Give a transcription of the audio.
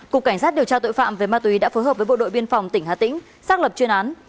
cục cảnh sát điều tra tội phạm về ma túy đã phối hợp với bộ đội biên phòng tỉnh hà tĩnh xác lập chuyên án